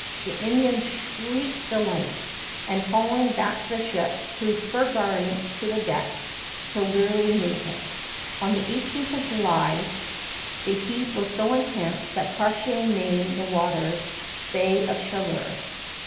The Indians shrieked delight, and, following back to the ships, threw fur garments to the decks till literally naked. On the 18th of July the heat was so intense that Cartier named the waters Bay of Chaleur.